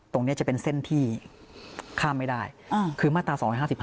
ตรงนี้จะเป็นเส้นที่ข้ามไม่ได้คือมาตรา๒๕๕